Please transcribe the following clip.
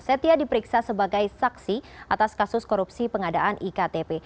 setia diperiksa sebagai saksi atas kasus korupsi pengadaan iktp